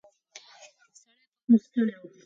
سړی پرون ستړی و.